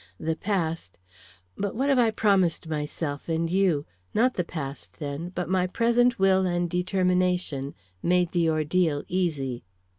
The past But what have I promised myself and you? Not the past, then, but my present will and determination made the ordeal easy.